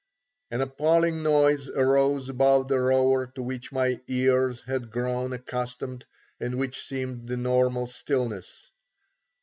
An appalling noise arose above the roar to which my ears had grown accustomed, and which seemed the normal stillness.